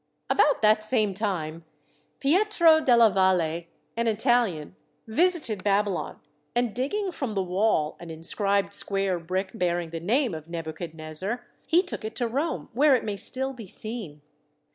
About that same time Pietro della Valle, an Italian, visited Babylon, and digging from the wall an inscribed square brick bearing the name of Nebuchadnezzar, he took it to Rome where it may still be seen.